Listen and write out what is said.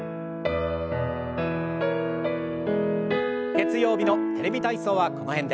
月曜日の「テレビ体操」はこの辺で。